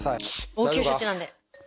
応急処置なんで。